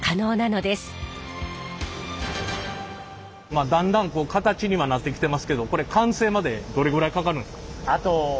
まあだんだんこう形にはなってきてますけどこれ完成までどれぐらいかかるんですか？